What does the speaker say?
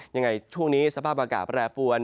ยังไงช่วงนี้สภาพอากาศแปรปวน